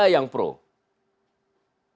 melarang untuk di atas